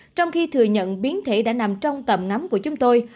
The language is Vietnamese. trong khi thừa nhận biến thể đã nằm trong tầm ngắm của chúng tôi